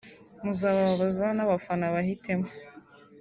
muzababaza n’abafana bahitemo